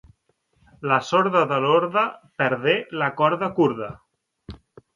La sorda de l'orde perdé la corda kurda.